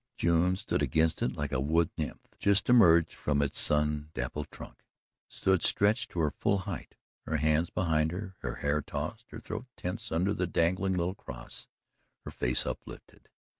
June stood against it like a wood nymph just emerged from its sun dappled trunk stood stretched to her full height, her hands behind her, her hair tossed, her throat tense under the dangling little cross, her face uplifted.